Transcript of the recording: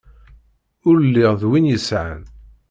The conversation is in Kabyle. Ur lliɣ d win yesɛan.